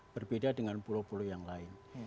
berbeda dengan pulau pulau yang lain